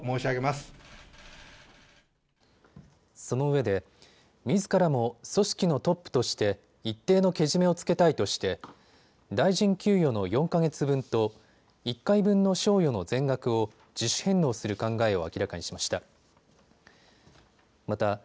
そのうえで、みずからも組織のトップとして一定のけじめをつけたいとして大臣給与の４か月分と１回分の賞与の全額を自主返納する考えを明らかにしました。